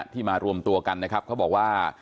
มารวมตัวกันนะครับเขาบอกว่า